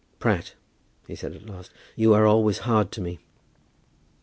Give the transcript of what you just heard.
"Pratt," he said at last, "you are always hard to me."